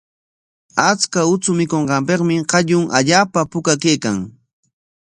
Achka uchu mikunqanpikmi qallun allaapa puka kaykan.